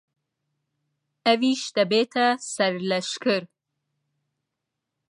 ئەویش دەبێتە سەرلەشکر.